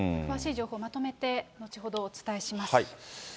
詳しい情報、まとめて後ほどお伝えします。